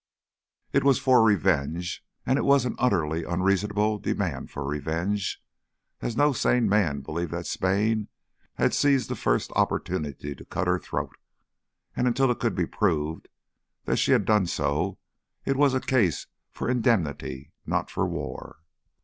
It was for revenge, and it was an utterly unreasonable demand for revenge, as no sane man believed that Spain had seized the first opportunity to cut her throat; and until it could be proved that she had done so, it was a case for indemnity, not for war.